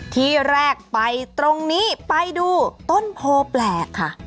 ที่แรกไปตรงนี้ไปดูต้นโพแปลกค่ะ